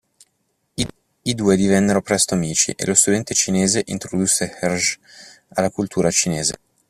I due divennero presto amici e lo studente cinese introdusse Hergé alla cultura cinese.